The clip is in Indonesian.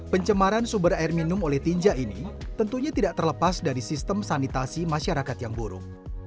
pencemaran sumber air minum oleh tinja ini tentunya tidak terlepas dari sistem sanitasi masyarakat yang buruk